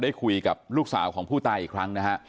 คุยกับลูกสาวของผู้ตายอีกครั้งนะฮะ